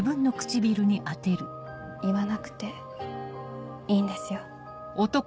言わなくていいんですよ？